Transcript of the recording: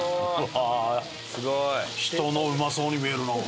人のうまそうに見えるなあ。